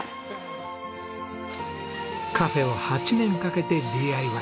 カフェを８年かけてＤＩＹ。